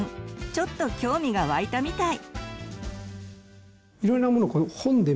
ちょっと興味が湧いたみたい。